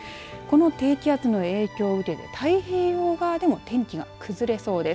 この低気圧の影響を受けて太平洋側でも天気が崩れそうです。